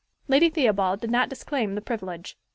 Lady Theobald did not disclaim the privilege.